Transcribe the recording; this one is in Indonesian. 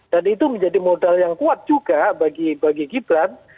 dan itu menjadi modal yang kuat juga bagi gibran